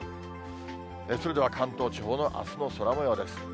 それでは関東地方のあすの空もようです。